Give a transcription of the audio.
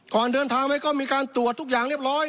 ก่อนเดินทางไปก็มีการตรวจทุกอย่างเรียบร้อย